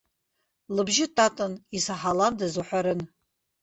Лыбжьы татан, исаҳаландаз уҳәарын.